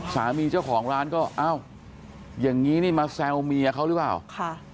สามีเจ้าของร้านก็อ้าวอย่างนี้นี่มาแซวเมียเขาหรือเปล่าค่ะ